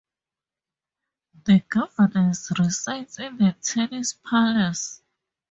The governors reside in Tessin Palace.